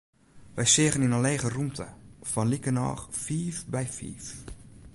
Wy seagen yn in lege rûmte fan likernôch fiif by fiif.